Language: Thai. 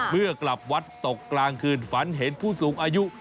เมื่อกลับวัดตกกลางคืนฝันเห็นผู้สูงอายุ